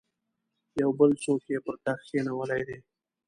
یو بل څوک یې پر تخت کښېنولی دی.